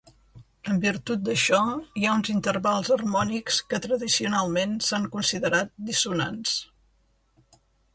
En virtut d'això, hi ha uns intervals harmònics que tradicionalment s'han considerat dissonants.